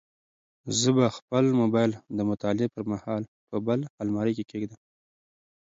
زه به خپل موبایل د مطالعې پر مهال په بل المارۍ کې کېږدم.